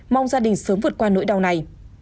mong gia đình sớm vượt qua nỗi đau này